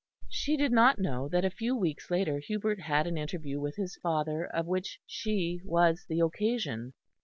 She did not know that a few weeks later Hubert had an interview with his father, of which she was the occasion.